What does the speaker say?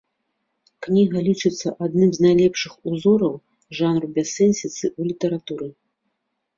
Кніга лічыцца адным з найлепшых узораў жанру бяссэнсіцы ў літаратуры.